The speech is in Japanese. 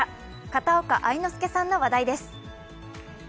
片岡愛之助さんの話題です。